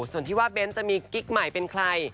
ส่วนที่ว่าเบ้นจะมีกิ๊กใหม่เป็นใคร